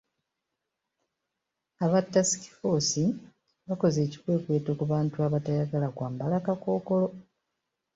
Aba tasiki ffoosi bakoze ekikwekweto ku bantu abatayagala kwambala kakookolo.